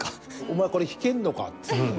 「お前これ弾けんのか？」っつって。